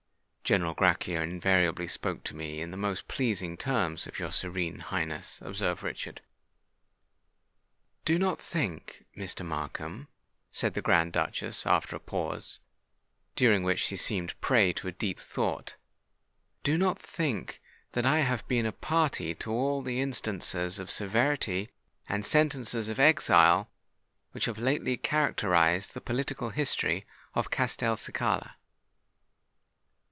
"General Grachia invariably spoke to me in the most pleasing terms of your Serene Highness," observed Richard. "Do not think, Mr. Markham," said the Grand Duchess, after a pause, during which she seemed a prey to deep thought,—"do not think that I have been a party to all the instances of severity and sentences of exile which have lately characterised the political history of Castelcicala.